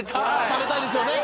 食べたいですよね